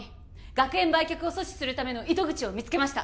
学園売却を阻止するための糸口を見つけました！